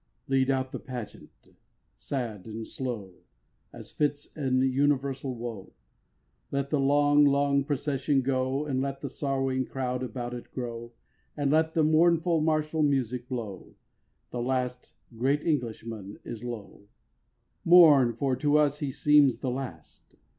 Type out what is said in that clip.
3. Lead out the pageant: sad and slow, As fits an universal woe, Let the long long procession go, And let the sorrowing crowd about it grow, And let the mournful martial music blow; The last great Englishman is low. 4. Mourn, for to us he seems the last.